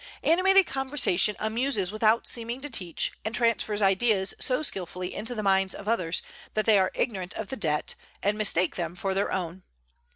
Animated conversation amuses without seeming to teach, and transfers ideas so skilfully into the minds of others that they are ignorant of the debt, and mistake them for their own.